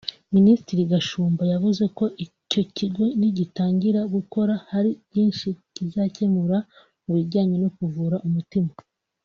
Minisitiri Gashumba yavuze ko icyo kigo nigitangira gukora hari byinshi kizakemura mu bijyanye no kuvura umutima